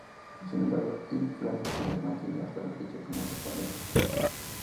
Sin embargo, In Flames se ha mantenido hasta la fecha como su banda principal.